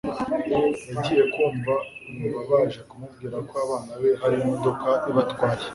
yagiye kumva yumva baje kumubwira ko abana be hari imodoka ibatwaye